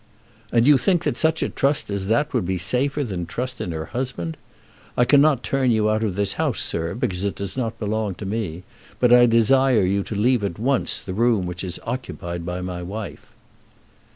"And you think that such trust as that would be safer than trust in her husband? I cannot turn you out of this house, sir, because it does not belong to me, but I desire you to leave at once the room which is occupied by my wife."